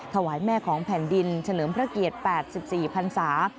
ถวายแม่ของแผ่นดินเฉลิมพระเกียรติ๘๔พันศา